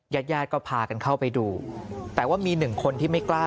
ญาติญาติก็พากันเข้าไปดูแต่ว่ามีหนึ่งคนที่ไม่กล้า